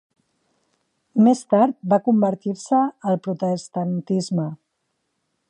Més tard va convertir-se al protestantisme.